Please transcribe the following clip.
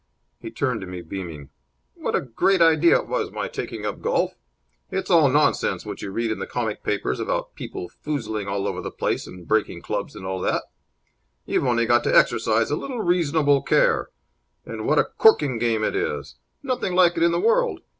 He turned to me, beaming. "What a great idea it was, my taking up golf! It's all nonsense what you read in the comic papers about people foozling all over the place and breaking clubs and all that. You've only to exercise a little reasonable care. And what a corking game it is! Nothing like it in the world!